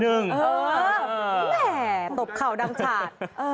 เทอะมี่แหมเป็นตบเข่าดำชาติ